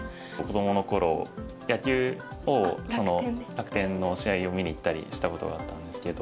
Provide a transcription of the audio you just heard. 楽天の試合を見に行ったりしたことがあったんですけど。